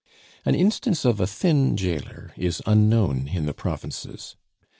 An instance of a thin jailer is unknown in the provinces.